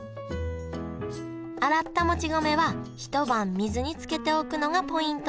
洗ったもち米はひと晩水につけておくのがポイントです